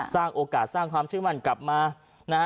สร้างโอกาสสร้างความเชื่อมั่นกลับมานะฮะ